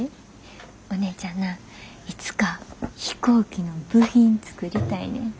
おねえちゃんないつか飛行機の部品作りたいねん。